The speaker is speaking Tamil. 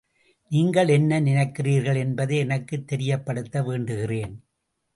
நீங்கள் என்ன நினைக்கிறீர்கள் என்பதை எனக்குத் தெரியப்படுத்த வேண்டுகிறேன்.